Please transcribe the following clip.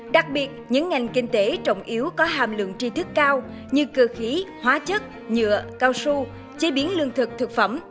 đặc biệt những ngành kinh tế trọng yếu có hàm lượng tri thức cao như cơ khí hóa chất nhựa cao su chế biến lương thực thực phẩm